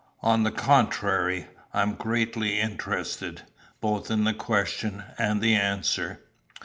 "On the contrary, I am greatly interested, both in the question and the answer."